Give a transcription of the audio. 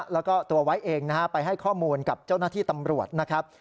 แล้วก็ตัวไว้เองนะฮะไปให้ข้อมูลกับเจ้าหน้าที่ตำรวจนะครับ